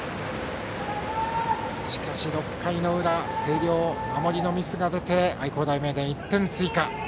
しかし６回の裏星稜、守りのミスが出て愛工大名電が１点追加。